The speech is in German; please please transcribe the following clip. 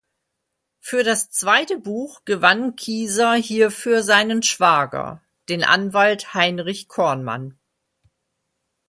Für das zweite Buch gewann Kieser hierfür seinen Schwager, den Anwalt Heinrich Kornmann.